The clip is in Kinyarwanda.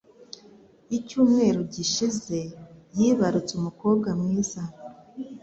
Icyumweru gishize yibarutse umukobwa mwiza